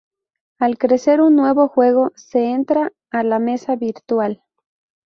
Al crear un nuevo juego, se entra a "la mesa virtual".